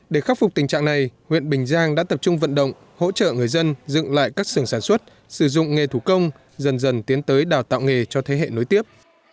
để khắc phục tình trạng này huyện bình giang đã tập trung vận động hỗ trợ người dân dựng lại các sưởng sản xuất sử dụng nghề thủ công dần dần tiến tới đào tạo nghề cho thế hệ nối tiếp